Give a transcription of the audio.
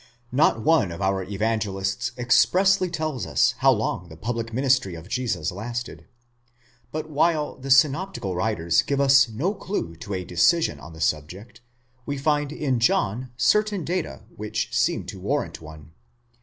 Not one of our Evangelists expressly tells us how long the public ministry of Jesus lasted; but while the synoptical writers give us no clue to a decision on the subject, we find in John certain data, which seem to warrant one.